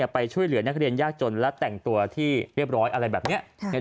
ไปช่วยเหลือนักเรียนยากจนและแต่งตัวที่เรียบร้อยอะไรแบบนี้